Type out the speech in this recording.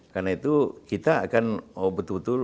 karena itu kita akan betul betul